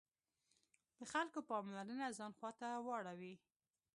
د خلکو پاملرنه ځان خواته واړوي.